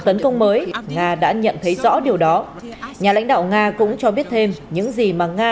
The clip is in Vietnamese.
tấn công mới nga đã nhận thấy rõ điều đó nhà lãnh đạo nga cũng cho biết thêm những gì mà nga